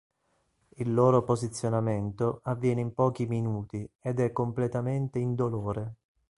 Il loro posizionamento avviene in pochi minuti ed è completamente indolore.